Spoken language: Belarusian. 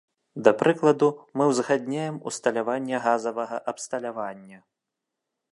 Да прыкладу, мы ўзгадняем усталяванне газавага абсталявання.